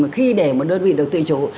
mà khi để một đơn vị được tự chủ